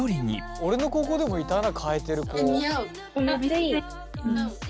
俺の高校でもいたな替えてる子。